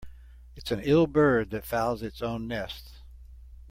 It's an ill bird that fouls its own nest.